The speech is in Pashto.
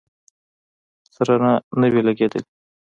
سره نه وې لګېدلې.